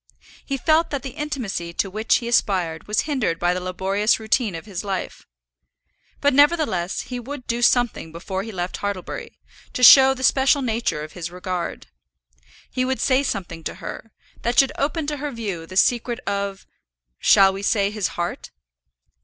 He felt that the intimacy to which he aspired was hindered by the laborious routine of his life; but nevertheless he would do something before he left Hartlebury, to show the special nature of his regard. He would say something to her, that should open to her view the secret of shall we say his heart?